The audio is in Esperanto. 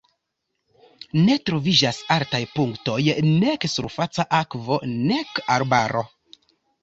Ne troviĝas altaj punktoj, nek surfaca akvo, nek arbaro.